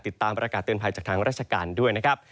ติดตามประกาศเตือนภัยจากทางราชการด้วยนะครับ